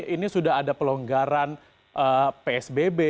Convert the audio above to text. ini sudah ada pelonggaran psbb